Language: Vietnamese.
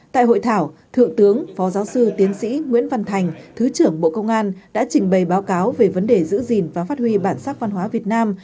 tại hội thảo thượng tướng phó giáo sư tiến sĩ nguyễn văn thành thứ trưởng bộ công an đã trình bày báo cáo về vấn đề giữ gìn và phát huy bản sắc văn hóa việt nam